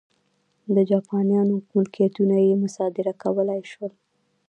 د جاپانیانو ملکیتونه یې مصادره کولای شول.